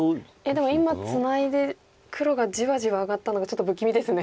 でも今ツナいで黒がじわじわ上がったのがちょっと不気味ですね。